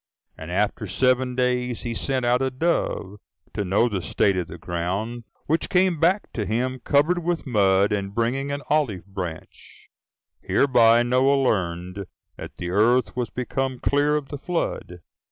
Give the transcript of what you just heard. And after seven days he sent out a dove, to know the state of the ground; which came back to him covered with mud, and bringing an olive branch: hereby Noah learned that the earth was become clear of the flood.